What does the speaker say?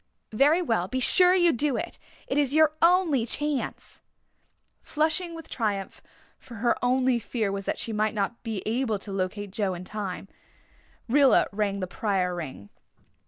Very well, be sure you do it it is your only chance." Flushed with triumph for her only fear was that she might not be able to locate Joe in time Rilla rang the Pryor ring.